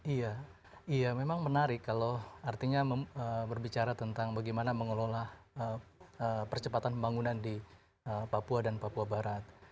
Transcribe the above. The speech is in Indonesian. iya iya memang menarik kalau artinya berbicara tentang bagaimana mengelola percepatan pembangunan di papua dan papua barat